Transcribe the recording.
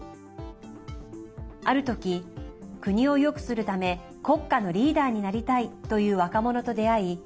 ある時、国をよくするため国家のリーダーになりたいという若者と出会い